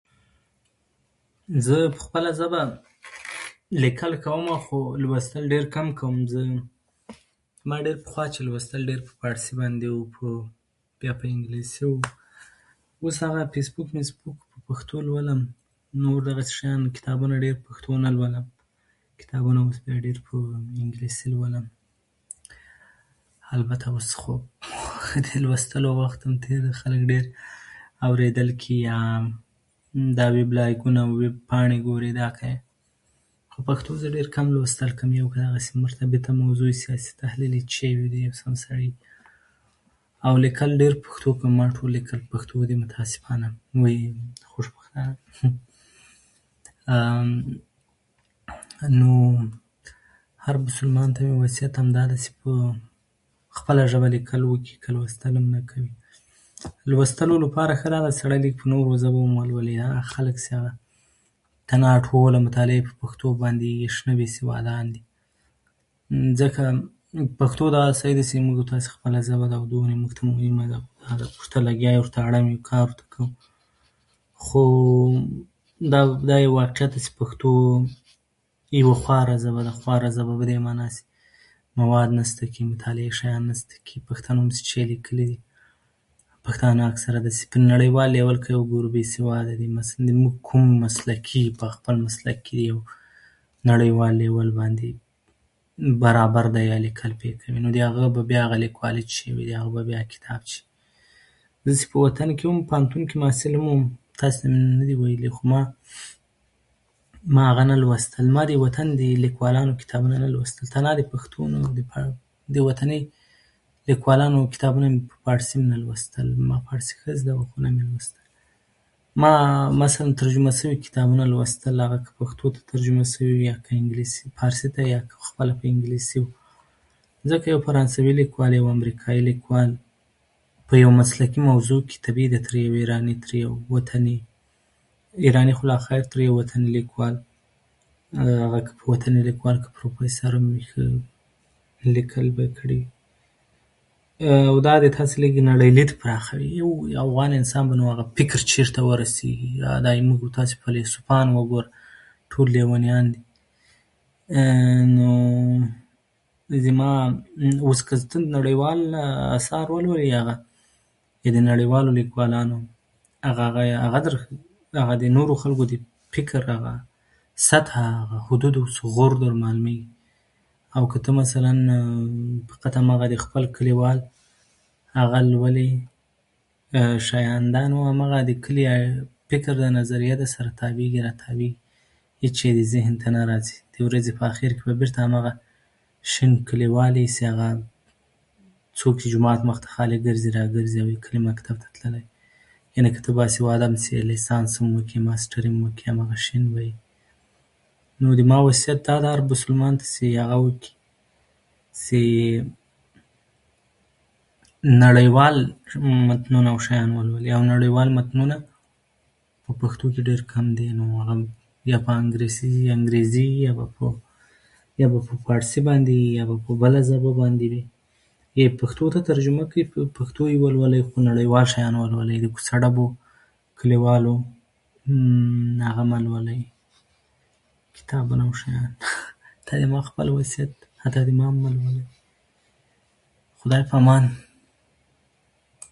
زه په خپله ژبه لیکل کوم، خو لوستل ډېر کم کوم. زه، ما ډېر پخوا چې لوستل، ډېر په فارسي باندې وو، په بیا په انګلیسي وو. اوس هغه فېسبوک، مېسبوک په پښتو لولم، نور دغسې شیان، کتابونه ډېر په پښتو نه لولم. کتابونه ډېر په انګلیسي لولم. البته اوس خو ښه دي لوستل، وخت مو تېر دی. خلک ډېر اورېدل کوي، یا دغه وېبلاګونه، وېب پاڼې ګوري، دا کوي، خو پښتو زه ډېر کم لوستل کوم. یو خو هغسې مرتبطه موضوع چې سیاسي تحلیل یې وي، چی شي وی د سم سړی او لیکل ډېر په پښتو کوم. او ما ټول لیکل په پښتو دي، متاسفانه یا خوشبختانه نو، نو، هر مسلمان ته مې وصیت همدا دی چې په خپله ژبه لیکل وکړي. کی لوستل نه کوي، لوستلو لپاره ښه دا ده چې سړي لیک، نور ژبې ولولي. یا خلک چې هغه تنا ټوله مطالعه یې په پښتو باندې وي، شنه بېسوادان دي. ځکه نو پښتو داسې ده چې مونږ، تاسې خپله ژبه ده او دومره موږ ته مهمه ده ورته لګیا یو ورته کار کوئ، خو و دا یو واقعیت دی چې پښتو یوه خواره ژبه ده. خواره ژبه په دې معنا چې مواد نشته، کې مطالعه شیان نشته کی پښتانه همداسې چې څه چې لیکلي دي، پښتانه اکثر ده، نړیوال په یو بېسواده دي. مثلا موږ، کوم مسلکي په خپل مسلک کې یو نړیوال لیول باندې برابر دی، یا لیکل پیل کړي، خو نو دې هغه بیا لیکوالي چی شی یا کتاب چی شي دي زه چې په وطن کې وم، پوهنتون کې محصل وم، تاسو ته مې نه دي ویلي، خو ما هغه نه لوستل. ما د وطن د لیکوالانو کتابونه نه لوستل، تنا د پښتو نورو او د وطني لیکوالانو کتابونه په پارسي نه لوستل. ما پارسي ښه زده وه، خو نه مې لوستل. ما مثلاً ترجمه شوي کتابونه لوستل، له هغه که پښتو کې ترجمه شوي وي، یا که انګلیسي، پارسي ته یې. خپله په انګلیسي وه. نو ځکه یو فرانسوی لیکوال یې وه، امریکایي لیکوال، په یو مسلکي موضوع کې. طبیعي ده تري چې یو وطني، ایرانی، خو لا خیر، تر وطني لیکوال. هغه کې په وطني لیکوال کې پروفیسور هم وي، ښه لیکل به کړي، او دا دي، تاسو نړی لید پراخوئ. یو افغان انسان، نو هغه فکر چې چېرته ورسېږي، یا دې موږ، تاسې په پېلسپان وګورئ، ټول لیونیان دي. عه، عه، عه. نو زما اوس، که ته نړیوال آثار ولولې، یا هغه د نړیوالو لیکوالانو، هغه هغي یی د هغو نورو خلکو د فکر، هغه سطحه، هغه حدود، اصول غور درته معلومېږي. او که ته مثلاً فقط د خپل لیکوال ، هغه لولې، هغه شیان، دا نو همغه د کلي یا فکر او نظریه دې، یا سره تاوېږي، تاوېږي. که هېڅ چېرې ذهن ته نه راځي، په آخر کې بېرته همغه شین کلیوالی وي. چي هغه څوک چې جومات ته مخ ته خالي ګرځي او ګرځي، او کلي مکتب ته تللی، یعنې که ته باسواده، لیسانس هم وکړې، ماستري وکړې، همغه شان به وي. نو زما وصیت دا ده، مسلمان ته، هغه وکړي. نړیوال متنونه، شیان ولولي. نړیوال متنونه په پښتو کې ډېر کم دي. نور هغه هم، یا په هغه کې انګلیسي، یا انګرېزي، یا په پښتو، یا به په پارسي باندې وي، یا به په بله ژبه باندې وي، یې پښتو ته ترجمه کړي. په پښتو یې ولولي، خو نړیوال شیان ولولي. په کیسو ادبو، کلیوالو هغه مه لولي، کتابونه، نور شیان. دا زما خپل وصیت دی. حتی د ما ملګرو، خدای پامان.